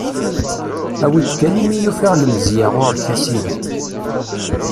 Awi-d kan imi i ufiɣ lemzeyya ɣur-k, a sidi.